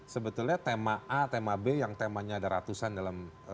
sebetulnya tema a tema b yang temanya ada ratusan dalam